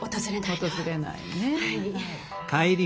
訪れないね。